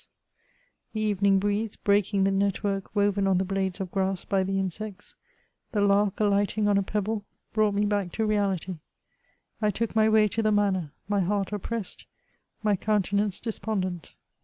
The evening breeze breaking the net work woven on the blades of grass by the insects, the lark alighting on a pebble, brought me back to reality ; I took my way to the manor; my heart oppressed, my countenance de spondent.